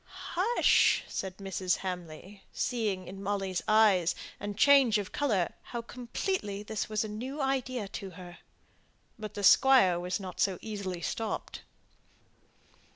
"Hush," said Mrs. Hamley, seeing in Molly's eyes and change of colour how completely this was a new idea to her. But the squire was not so easily stopped.